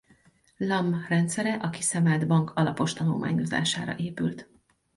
Lamm rendszere a kiszemelt bank alapos tanulmányozására épült.